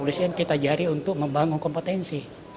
kepolisian kita jari untuk membangun kompetensi